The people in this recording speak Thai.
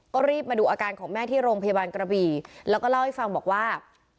ก็รีบมาดูอาการของแม่ที่โรงพยาบาลกระบี่แล้วก็เล่าให้ฟังบอกว่า